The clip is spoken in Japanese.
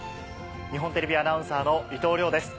日本テレビアナウンサーの伊藤遼です。